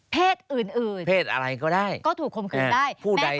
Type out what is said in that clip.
เพศอื่นเพศอะไรก็ได้ก็ถูกข่มขืนได้